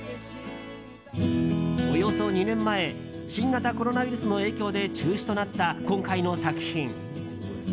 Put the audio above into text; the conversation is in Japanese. およそ２年前新型コロナウイルスの影響で中止となった今回の作品。